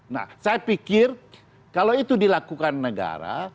nah saya pikir kalau itu dilakukan negara